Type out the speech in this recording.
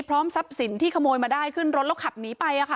ทรัพย์สินที่ขโมยมาได้ขึ้นรถแล้วขับหนีไป